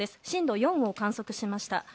震度４を観測しました。